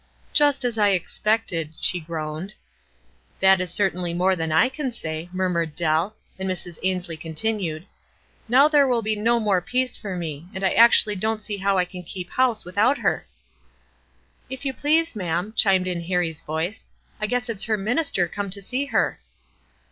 "Jus* as I expected," she groaned. "That is certainly more than I can say," mur uwred Dell ; and Mrs. Ainslie continued :— "Now there will be no more peace for me; an.! I actually don't see how I can keep house without her." "If you please, ma'am," chimed in Harrie's voice, "I guess it's her minister come to see her."